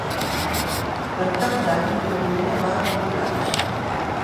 Per Cap d'Any na Mariona va a Garrigàs.